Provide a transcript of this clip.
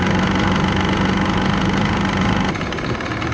และมันกลายเป้าหมายเป้าหมายเป้าหมาย